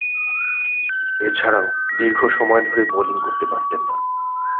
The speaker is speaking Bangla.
এছাড়াও, দীর্ঘসময় ধরে বোলিং করতে পারতেন না।